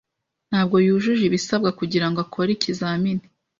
Ntabwo yujuje ibisabwa kugirango akore ikizamini.